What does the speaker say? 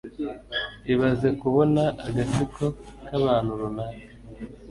Ibaze kubona agatsiko k'abantu runaka